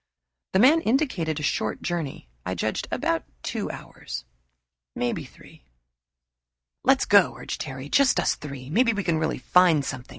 The man indicated a short journey; I judged about two hours, maybe three. "Let's go," urged Terry. "Just us three. Maybe we can really find something.